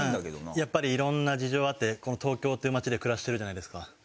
やっぱり色んな事情あってこの東京という街で暮らしてるじゃないですか。